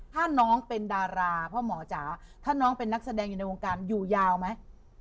ถ้าน้องเป็นดาราพ่อหมอจ๋าถ้าน้องเป็นนักแสดงอยู่ในวงการอยู่ยาวไหม